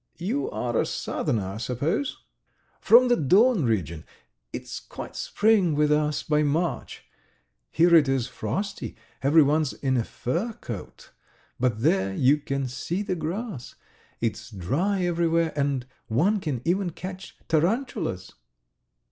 "You are a southerner, I suppose?" "From the Don region. ... It's quite spring with us by March. Here it is frosty, everyone's in a fur coat, ... but there you can see the grass ... it's dry everywhere, and one can even catch tarantulas."